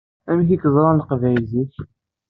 Amek i kerrzen Leqbayel zik?